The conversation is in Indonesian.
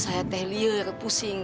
saya teh liur pusing